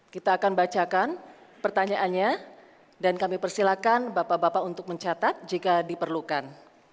kita akan bacakan pertanyaannya dan kami persilakan bapak bapak untuk mencatat jika diperlukan